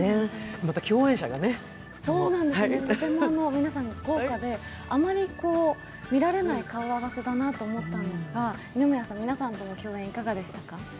また共演者がねそうなんです、とても豪華であまり見られない顔合わせだなと思ったんですが二宮さん、皆さんとの共演、いかがでしたか？